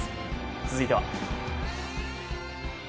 続いては。